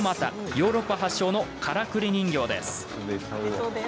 ヨーロッパ発祥のからくり人形です。